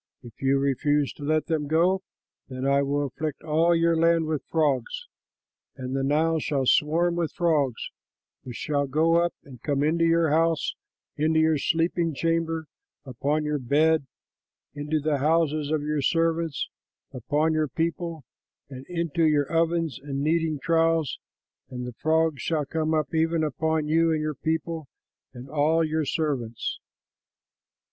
If you refuse to let them go, then I will afflict all your land with frogs; and the Nile shall swarm with frogs which shall go up and come into your house, into your sleeping chamber, upon your bed, into the houses of your servants, upon your people, and into your ovens and kneading troughs; and the frogs shall come up even upon you and your people and all your servants.'"